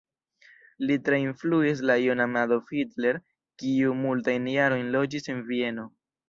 Li tre influis la junan Adolf Hitler, kiu multajn jarojn loĝis en Vieno.